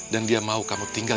dan dia mau kamu tinggal